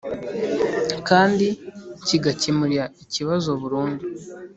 kandi kigakemura ikibazo burundu."